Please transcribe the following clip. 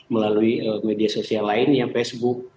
melalui media sosial lainnya facebook